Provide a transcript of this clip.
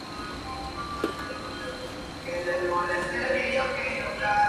El nombre de su marca es homónimo y retoma únicamente sus apellidos.